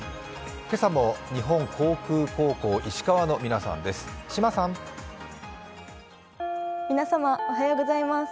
今朝も日本航空高校石川の皆さんです。